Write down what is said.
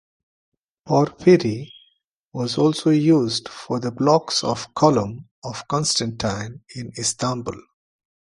Porphyry was also used for the blocks of the Column of Constantine in Istanbul.